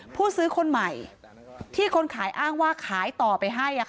ผู้ซื้อคนใหม่ที่คนขายอ้างว่าขายต่อไปให้